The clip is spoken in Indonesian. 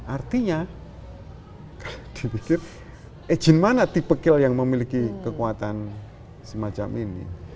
artinya kalau dipercaya eh jin mana tipe kill yang memiliki kekuatan semacam ini